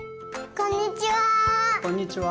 こんにちは。